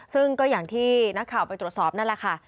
ซึ่งก็อย่างที่นักข่าวไปตรวจสอบนั่นแหละค่ะ